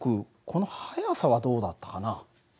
この速さはどうだったかな？